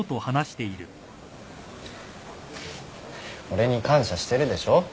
俺に感謝してるでしょ。